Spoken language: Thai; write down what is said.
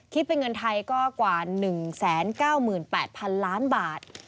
คิดเป็นเงินไทยก็กว่า๑๙๘๐๐๐ล้านบาท